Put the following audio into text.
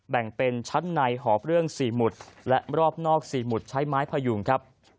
แบ่งเป็นชั้นในหอบเรื่อง๔หมุดและรอบนอก๔หมุดใช้ไม้พยุงครับ